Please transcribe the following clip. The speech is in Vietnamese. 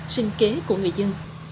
sinh kế của người dân